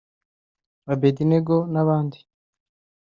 Abedinego n’abandi